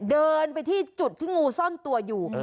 เดินไปที่จุดที่งูซ่อนตัวอยู่